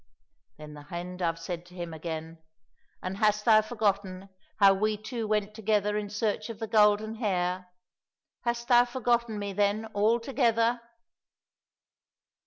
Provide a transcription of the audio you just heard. — Then the hen dove said to him again, *' And hast thou forgotten how we two went together in search of the golden hare ? Hast thou forgotten me then altogether